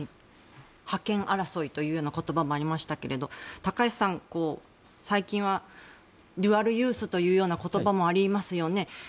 覇権争いという言葉もありましたけど高橋さん、最近はデュアルユースという言葉もありますよね。